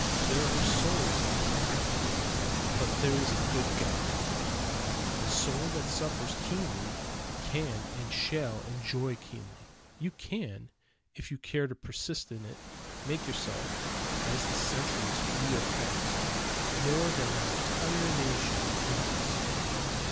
There are souls like that. But there is a good God. The soul that suffers keenly can and shall enjoy keenly. You can, if you care to persist in it, make yourself, as the centuries wheel past, more than an entire nation in this.